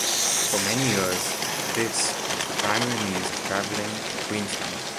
For many years, this was the primary means of travelling to Queenstown.